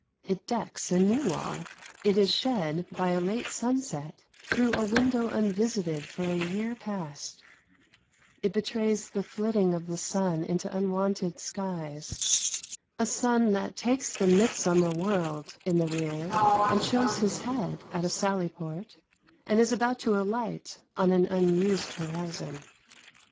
It decks a new wall; it is shed by a late sunset through a window unvisited for a year past; it betrays the flitting of the sun into unwonted skies a sun that takes the midsummer world in the rear, and shows his head at a sally porte, and is about to alight on an unused horizon.